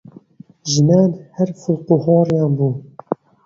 ژنان هەر فڵقوهۆڕیان بوو!